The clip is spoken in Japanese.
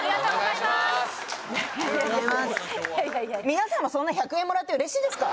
いやいや皆さんもそんな１００円もらって嬉しいですか？